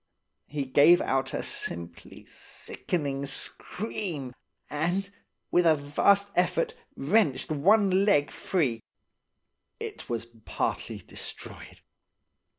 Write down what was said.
He gave out a simply sickening scream, and, with a vast effort, wrenched one leg free. It was partly destroyed.